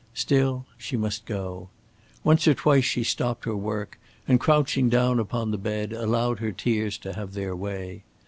Still she must go. Once or twice she stopped her work, and crouching down upon the bed allowed her tears to have their way.